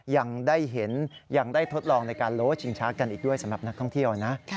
ยังได้เห็นยังได้ทดลองในการโล้ชิงช้ากันอีกด้วยสำหรับนักท่องเที่ยวนะ